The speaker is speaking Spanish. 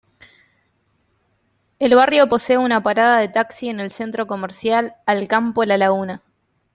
El barrio posee una parada de taxi en el Centro Comercial Alcampo-La Laguna.